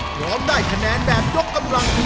หรอมได้คะแนนแบบย่อกกำลังที่๔คะแนน